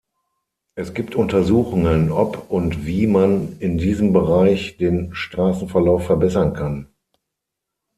Es gibt Untersuchungen ob und wie man in diesem Bereich den Straßenverlauf verbessern kann.